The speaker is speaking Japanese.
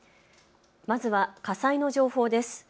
まずは火災の情報です。